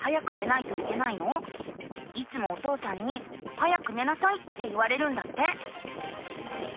いつもお父さんに「早く寝なさい」って言われるんだって。